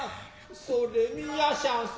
それ見やしゃんせ。